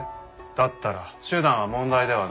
だったら手段は問題ではない。